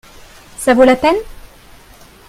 Ça vaut la peine ?